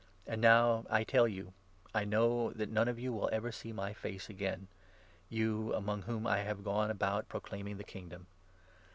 And now, I 25 tell you, I know that none of you will ever see my face again — you among whom I have gone about proclaiming the Kingdom.